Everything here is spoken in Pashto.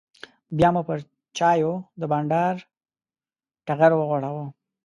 بیا مو پر چایو د بانډار ټغر وغوړاوه.